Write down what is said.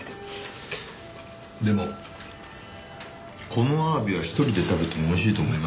でもこのアワビは一人で食べてもおいしいと思いますけどね。